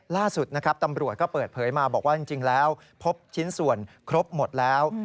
ล่าสุดนะครับตำรวจก็เปิดเผยมาบอกว่าจริงแล้วพบชิ้นส่วนครบหมดแล้ว